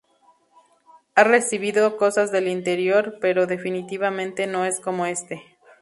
Ha recibido cosas del anterior, pero definitivamente no es como este.